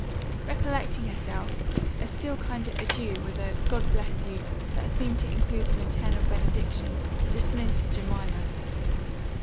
Recollecting herself, a still kinder "Adieu!" with a "God bless you!" that seemed to include a maternal benediction, dismissed Jemima.